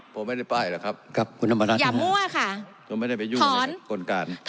ผมไม่ได้ป้ายหรอกครับครับคุณธรรมรัฐอย่ามั่วค่ะผมไม่ได้ไปยุ่งกลการ